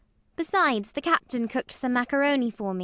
Besides, the captain cooked some maccaroni for me.